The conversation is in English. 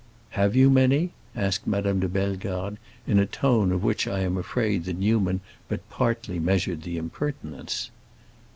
"Have you many?" asked Madame de Bellegarde, in a tone of which I am afraid that Newman but partly measured the impertinence.